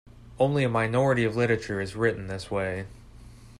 Only a minority of literature is written this way.